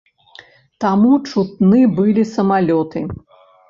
Таму чутны былі самалёты.